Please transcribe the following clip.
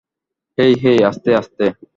হেই hey, আস্তে আস্তে!